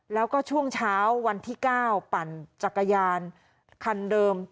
แล้วก็ช่วงเช้าวันที่๙ปั่นจักรยานคันเดิม